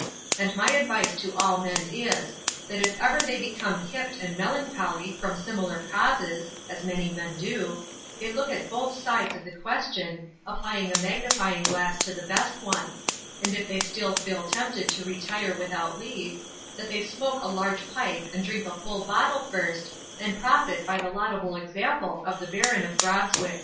And my advice to all men is, that if ever they become hipped and melancholy from similar causes (as very many men do), they look at both sides of the question, applying a magnifying glass to the best one; and if they still feel tempted to retire without leave, that they smoke a large pipe and drink a full bottle first, and profit by the laudable example of the Baron of Grogzwig.